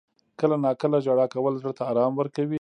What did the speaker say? • کله ناکله ژړا کول زړه ته آرام ورکوي.